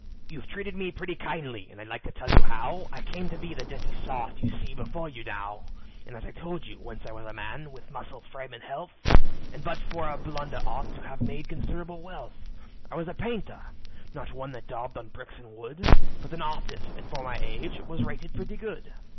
"You've treated me pretty kindly and I'd like to tell you how I came to be the dirty sot you see before you now. As I told you, once I was a man, with muscle, frame, and health, And but for a blunder ought to have made considerable wealth. "I was a painter not one that daubed on bricks and wood, But an artist, and for my age, was rated pretty good.